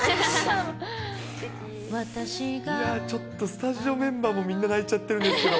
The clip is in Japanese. いやぁ、ちょっとスタジオメンバーもみんな泣いちゃってるんですよ。